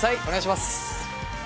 お願いします